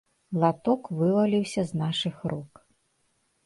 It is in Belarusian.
Латок вываліўся з нашых рук.